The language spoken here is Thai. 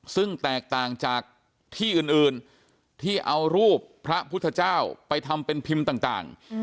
ซึ่งแตกต่างจากที่อื่นที่เอารูปพระพุทธเจ้าไปทำเป็นพิมพ์ต่าง